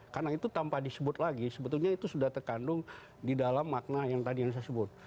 karena itu tanpa disebut lagi sebetulnya itu sudah terkandung di dalam makna yang tadi saya sebut